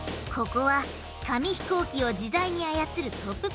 ここは紙ひこうきを自在に操るトップ☆